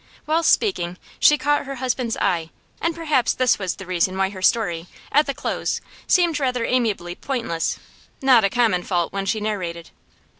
Whilst speaking, she caught her husband's eye, and perhaps this was the reason why her story, at the close, seemed rather amiably pointless not a common fault when she narrated.